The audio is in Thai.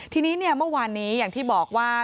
ทีนี้เมื่อวานนี้อย่างที่บอกว่า